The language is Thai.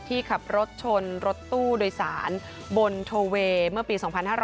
ที่ขับรถชนรถตู้โดยสารบนโทเวย์เมื่อปี๒๕๕๙